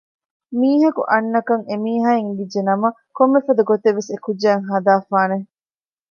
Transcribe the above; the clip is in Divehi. މީހަކު އަންނަކަން އެ މީހާއަށް އެނގިއްޖެނަމަ ކޮންމެފަދަ ގޮތެއްވެސް އެ ކުއްޖާއަށް ހަދައިފާނެ